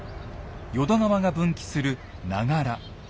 淀川が分岐する長柄。